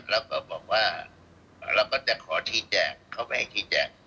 เราก็บอกว่าเราก็จะขอที่แจกเขาไปให้ที่แจก